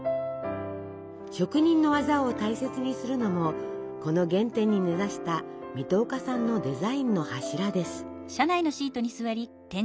職人の技を大切にするのもこの原点に根ざした水戸岡さんのデザインの柱です。